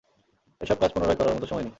এসব কাজ পুনরায় করার মতো সময় নেই।